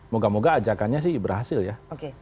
moga moga ajakannya sih berhasil ya